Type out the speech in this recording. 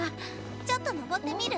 ちょっと上ってみる？